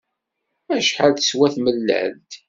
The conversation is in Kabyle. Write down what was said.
Acḥal teswa tmellalt?